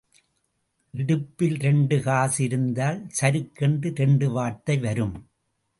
இடுப்பில் இரண்டு காசு இருந்தால் சருக்கென்று இரண்டு வார்த்தை வரும்.